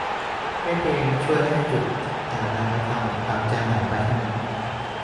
ไม่เพียงช่วยให้จุดด่างดำและความหมองคล้ำจางหายไปเท่านั้น